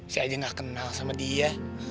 saya aja gak kenal sama dia